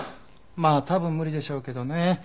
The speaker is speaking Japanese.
まあ多分無理でしょうけどね。